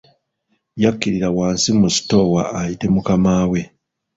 Yakirira wansi mu sitoowa ayite mukama we.